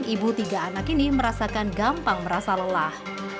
ibu tiga anak ini merasakan gampang merasa lelah